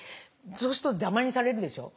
そうすると邪魔にされるでしょ。